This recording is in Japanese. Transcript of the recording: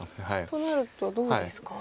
となるとどうですか？